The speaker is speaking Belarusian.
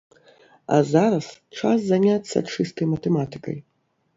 А зараз час заняцца чыстай матэматыкай.